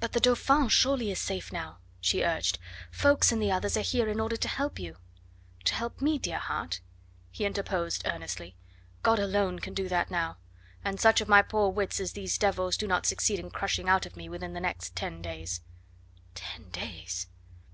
"But the Dauphin surely is safe now," she urged. "Ffoulkes and the others are here in order to help you." "To help me, dear heart?" he interposed earnestly. "God alone can do that now, and such of my poor wits as these devils do not succeed in crushing out of me within the next ten days." Ten days!